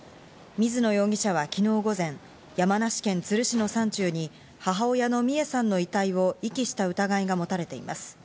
水野容疑者は昨日午前、山梨県都留市の山中に母親の美恵さんの遺体を遺棄した疑いが持たれています。